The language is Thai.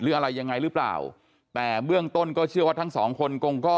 อะไรยังไงหรือเปล่าแต่เบื้องต้นก็เชื่อว่าทั้งสองคนคงก็